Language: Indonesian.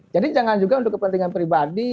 jadi jangan juga untuk kepentingan pribadi